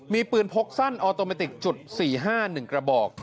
มีปืนพกสั้นออโตเมติกจุด๔๕๑กระบอก